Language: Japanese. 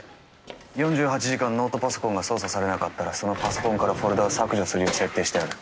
４８時間ノートパソコンが操作されなかったらそのパソコンからフォルダを削除するように設定してある。